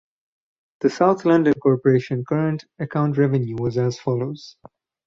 The South London Corporation current account revenue was as follows.